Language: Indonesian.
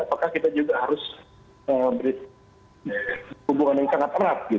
apakah kita juga harus berhubungan yang sangat terat